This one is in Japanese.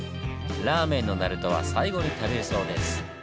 ラーメンのナルトは最後に食べるそうです！